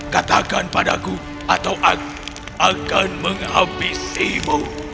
katakan padaku atau aku akan menghabisimu